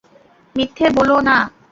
মিথ্যে বলো না!